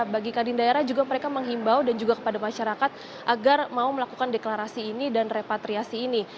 bagi kadin daerah juga mereka menghimbau dan juga kepada masyarakat agar mau melakukan deklarasi ini dan repatriasi ini